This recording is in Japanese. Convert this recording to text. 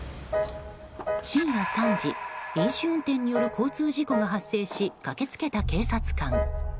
深夜３時、飲酒運転による交通事故が発生し駆け付けた警察官。